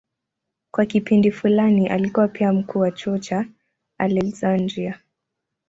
Kwa kipindi fulani alikuwa pia mkuu wa chuo cha Aleksandria.